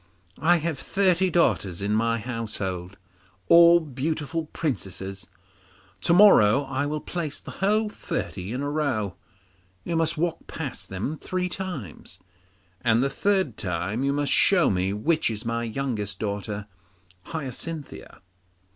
I have thirty daughters in my house, all beautiful princesses. To morrow I will place the whole thirty in a row. You must walk past them three times, and the third time you must show me which is my youngest daughter Hyacinthia.